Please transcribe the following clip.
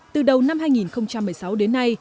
từ đầu năm hai nghìn một mươi sáu đến nay